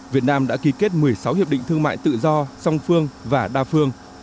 việt nam đã ký kết một mươi sáu hiệp định thương mại tự do song phương và đa phương